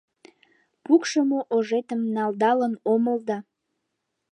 Пукшымо ожетым налдалын омыл да